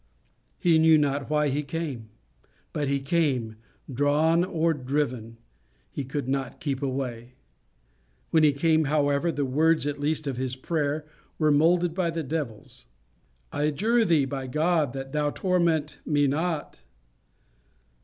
He knew not why he came; but he came drawn or driven; he could not keep away. When he came, however, the words at least of his prayer were moulded by the devils "I adjure thee by God that thou torment me not."